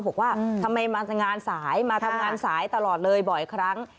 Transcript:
บอกว่าทำไมมางานสายมาทำงานสายตลอดเลยบ่อยครั้ง